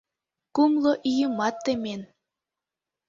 Кумло ийымат темен.